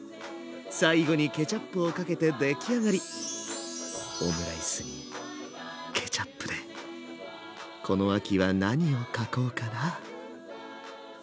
最後にケチャップをかけてできあがりオムライスにケチャップでこの秋は何を書こうかな？